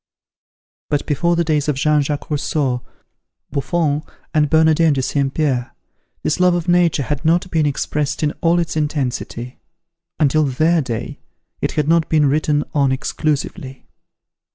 But before the days of Jean Jacques Rousseau, Buffon, and Bernardin de St. Pierre, this love of Nature had not been expressed in all its intensity. Until their day, it had not been written on exclusively.